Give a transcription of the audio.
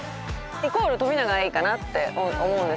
イコール冨永愛かなって思うんですよ。